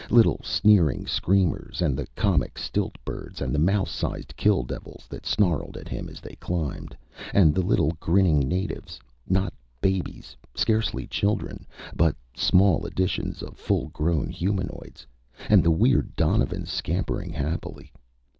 Little sneering screamers and the comic stilt birds and the mouse size kill devils that snarled at him as they climbed. And the little grinning natives not babies, scarcely children, but small editions of full grown humanoids. And the weird donovans scampering happily.